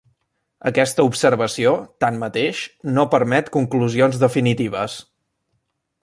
Aquesta observació, tanmateix, no permet conclusions definitives.